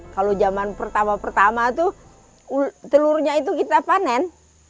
kalau zaman pertama pertama itu telurnya itu kita panen